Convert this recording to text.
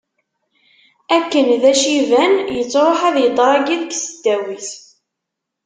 Akken d aciban, yettruḥ ad idṛagi deg tesdawit.